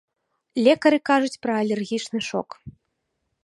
Лекары кажуць пра алергічны шок.